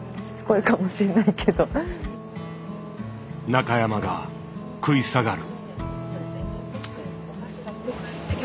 中山が食い下がる。